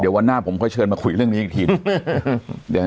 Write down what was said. เดี๋ยววันหน้าผมค่อยเชิญมาคุยเรื่องนี้อีกทีหนึ่ง